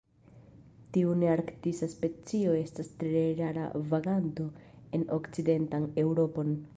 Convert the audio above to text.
Tiu nearktisa specio estas tre rara vaganto en okcidentan Eŭropon.